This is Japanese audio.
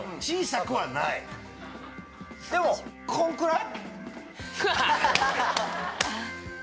でもこんくらい？